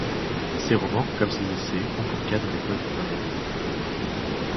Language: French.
Ses romans, comme ses essais, ont pour cadre l’époque victorienne.